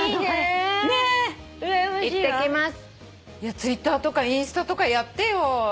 ツイッターとかインスタとかやってよ。